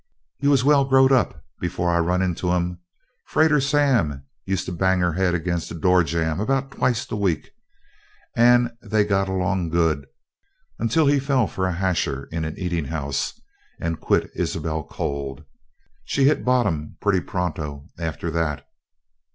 "You was well growed before I run into 'em. Freighter Sam used to bang her head agin the door jamb about twict a week, and they got along good until he fell for a hasher in an eatin' house and quit Isabelle cold. She hit bottom pretty pronto after that."